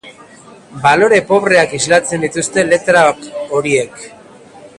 Balore pobreak islatzen dituzte letrak horiek.